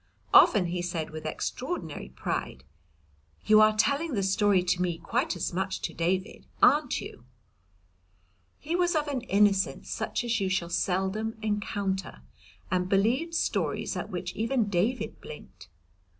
Often he said with extraordinary pride, "You are telling the story to me quite as much as to David, ar'n't you?" He was of an innocence such as you shall seldom encounter, and believed stories at which even David blinked.